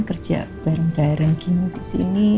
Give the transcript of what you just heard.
kerja bareng bareng gini di sini